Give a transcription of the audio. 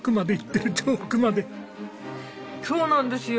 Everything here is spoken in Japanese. そうなんですよ。